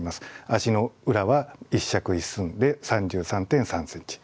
足の裏は「一尺一寸」で３３．３センチ。